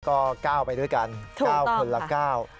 ก็ก้าวไปด้วยกัน๙คนละ๙